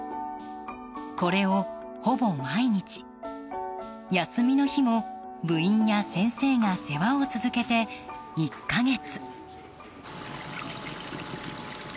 これを、ほぼ毎日休みの日も部員や先生が世話を続けて、１か月。